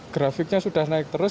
grafiknya sudah naik terus